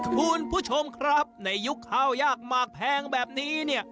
คุณผู้ชมครับในยุคข้าวยากหมากแพงแบบนี้เนี่ย